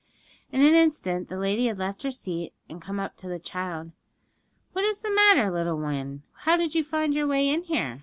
In an instant the lady had left her seat and come up to the child. 'What is the matter, little one? How did you find your way in here?'